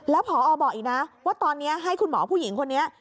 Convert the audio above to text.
แล้วพอบอกอีกนะว่าตอนนี้ให้คุณหมอผู้หญิงคนนี้